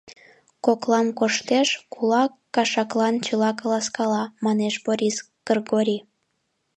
Коклам коштеш, кулак кашаклан чыла каласкала, — манеш Порис Кргори.